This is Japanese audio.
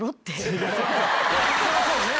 そりゃそうよね！